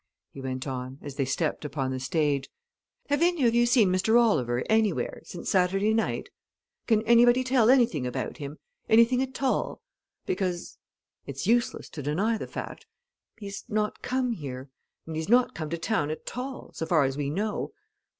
he went on, as they stepped upon the stage, "Have any of you seen Mr. Oliver, anywhere, since Saturday night? Can anybody tell anything about him anything at all? Because it's useless to deny the fact he's not come here, and he's not come to town at all, so far as we know.